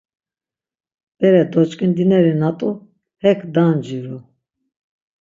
Bere doç̌ǩndineri na t̆u hek danciru.